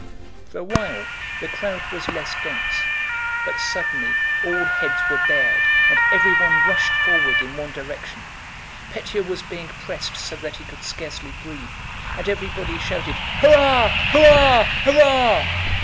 For a while the crowd was less dense, but suddenly all heads were bared, and everyone rushed forward in one direction. Pétya was being pressed so that he could scarcely breathe, and everybody shouted, "Hurrah! hurrah! hurrah!"